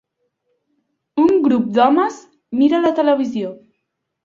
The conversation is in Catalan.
Un grup d'homes mira la televisió.